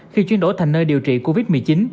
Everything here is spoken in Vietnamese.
khi chuyển đổi thành nơi điều trị covid một mươi chín